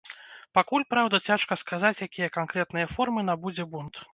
Пакуль, праўда, цяжка сказаць, якія канкрэтныя формы набудзе бунт.